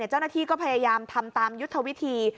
เจ้าหน้าที่ก็พยายามทำตามยุทธวิธี